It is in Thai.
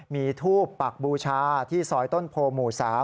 มีทูบปักบูชาที่ซอยต้นโพหมู่๓